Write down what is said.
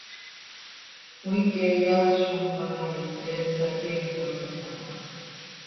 Cmiique yas zo mpaai, he nsaqueecotol aha.